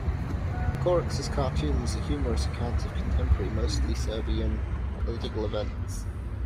Corax's cartoons are humorous accounts of contemporary, mostly Serbian, political events.